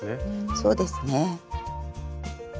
そうですね。